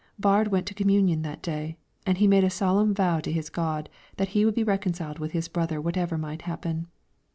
Baard went to communion that day, and he made a solemn vow to his God that he would be reconciled with his brother whatever might happen.